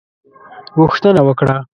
غوښتنه وکړه.